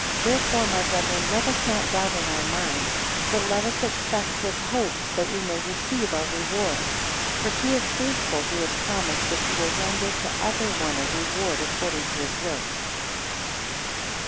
13 Wherefore my brethren, let us not doubt in our minds, but let us expect with hope, that we may receive our reward; for he is faithful, who has promised that he will render to everyone a reward according to his works.